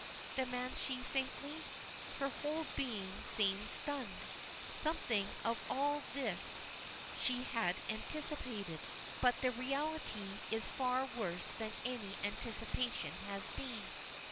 demands she faintly. Her whole being seems stunned. Something of all this she had anticipated, but the reality is far worse than any anticipation had been.